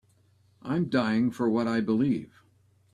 I'm dying for what I believe.